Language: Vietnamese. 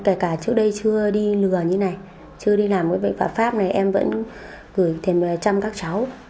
kể cả trước đây chưa đi lừa như thế này chưa đi làm cái bệnh pháp này em vẫn gửi thêm trăm các cháu